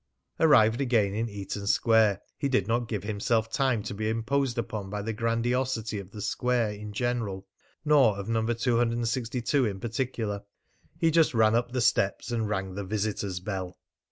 Arrived again in Eaton Square, he did not give himself time to be imposed upon by the grandiosity of the square in general nor of No. 262 in particular. He just ran up the steps and rang the visitors' bell.